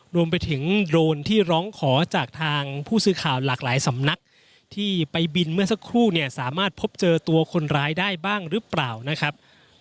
รวมไปถึงโดรนที่ร้องขอจากทางผู้สื่อข่าวหลากหลายสำนักที่ไปบินเมื่อสักครู่เนี่ยสามารถพบเจอตัวคนร้ายได้บ้างหรือเปล่านะครับ